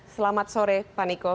selamat sore pak niko